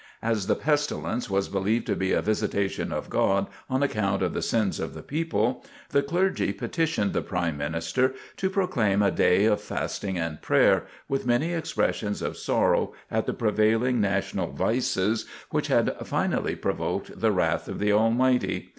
As the pestilence was believed to be a "visitation of God" on account of the sins of the people, the clergy petitioned the Prime Minister to proclaim a day of "fasting and prayer," with many expressions of sorrow at the prevailing national vices which had finally provoked the wrath of the Almighty.